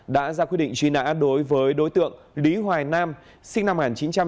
đã ra quyết định truy nã đối với đối tượng lý hoài nam sinh năm một nghìn chín trăm tám mươi